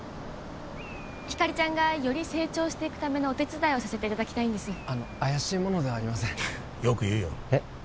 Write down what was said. ひかりちゃんがより成長していくためのお手伝いをさせていただきたいんです怪しい者ではありませんよく言うよえっ？